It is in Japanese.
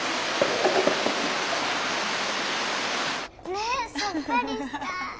ねえさっぱりした。